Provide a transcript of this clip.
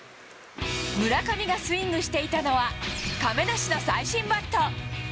村上がスイングしていたのは、亀梨の最新バット。